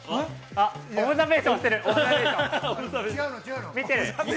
あ、オブザベーションしてる。